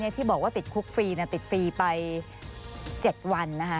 ที่บอกว่าติดคุกฟรีติดฟรีไป๗วัน